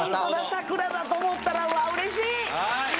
桜だと思ったらうれしい！